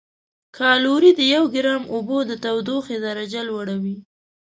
کالوري د یو ګرام اوبو د تودوخې درجه لوړوي.